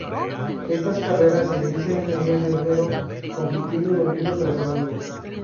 Estas carreras se inician en el mes de enero, compitiendo domingo tras domingo.